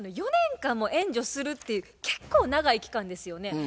４年間も援助するって結構長い期間ですよね。